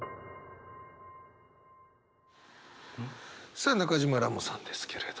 さあ中島らもさんですけれど。